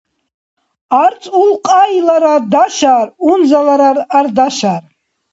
Арц улкьайларад дашар, унзаларад ардашар.